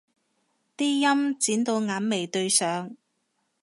啲陰剪到眼眉對上